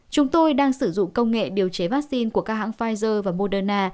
chúng tôi đang sử dụng công nghệ điều chế vaccine của các hãng pfizer và moderna